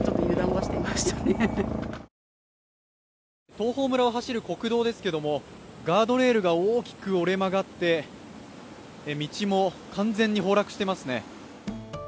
東峰村を走る国道ですけれどもガードレールが大きく折れ曲がって道も完全に崩落していますね。